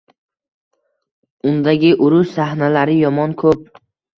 Undagi urush sahnalari yomon ko’p.